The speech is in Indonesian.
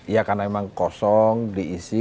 ya karena memang kosong diisi